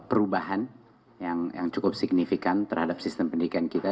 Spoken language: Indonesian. dan perubahan yang cukup signifikan terhadap sistem pendidikan kita